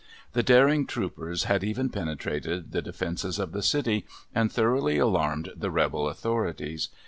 The daring troopers had even penetrated the defences of the city and thoroughly alarmed the Rebel authorities.